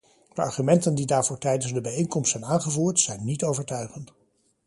De argumenten die daarvoor tijdens de bijeenkomst zijn aangevoerd, zijn niet overtuigend.